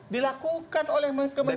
dilakukan oleh kementerian dalam negeri